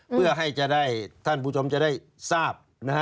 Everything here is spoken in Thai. เพื่อให้ท่านผู้ชมจะได้ทราบ